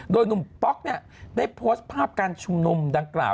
โดยหนุ่มป๊อกเนี่ยได้โพสต์ภาพการชุมนุมดังกล่าว